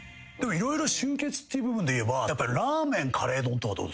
色々集結っていう部分でいえばラーメンカレー丼とかどうですかね？